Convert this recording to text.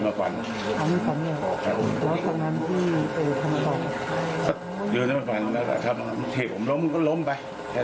เราก็ต้องขึ้นไปอยู่ข้างบนไงพอผมขึ้นไปอยู่ข้างบนปุ๊บมันก็ไม่หยุด